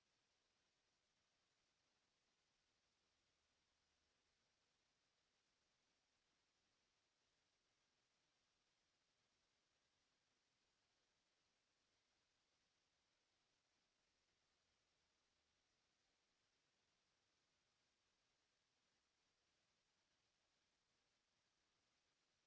โปรดติดตามต่อไป